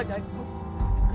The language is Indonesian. lihatlah chased yang dia pakai